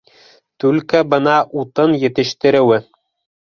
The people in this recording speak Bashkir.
- Түлке мына утын етештереүе...